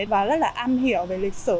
và rất là am hiểu về lịch sử